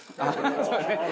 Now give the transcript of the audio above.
そうだね。